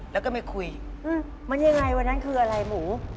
และที่แม่พูดออกมานี่เสียงแม่ไหม